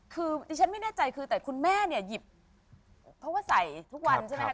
คือดิฉันไม่แน่ใจคือแต่คุณแม่เนี่ยหยิบเพราะว่าใส่ทุกวันใช่ไหมคะ